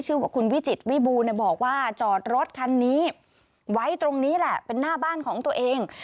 ชื่อว่าคุณวิจิตวิบูรณบอกว่าจอดรถคันนี้ไว้ตรงนี้แหละเป็นหน้าบ้านของตัวเอง